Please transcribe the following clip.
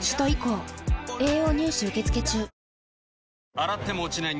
洗っても落ちない